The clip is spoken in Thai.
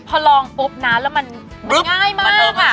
พอลองปุ๊บนะแล้วมันง่ายมาก